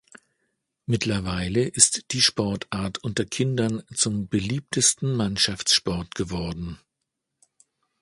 Mittlerweile ist die Sportart unter Kindern zum beliebtesten Mannschaftssport geworden.